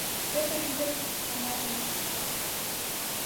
Петыр ӱдыр Анажым